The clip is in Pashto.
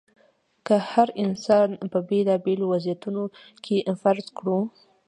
که هر انسان په بېلابېلو وضعیتونو کې فرض کړو.